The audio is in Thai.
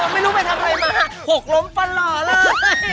ไม่รู้ไปทำอะไรมาหกล้มฟันหล่อเลย